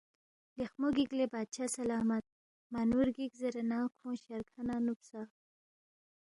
لیخمو گِک لے بادشاہ سلامت ما نُورو گِک زیرے نہ کھونگ شرکھہ نہ نُوبسا ،